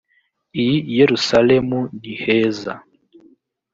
i yerusalemu niheza.